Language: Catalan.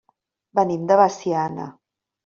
Venim de Veciana.